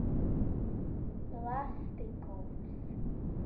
Un tad seko galvenais šī laika atspulgs.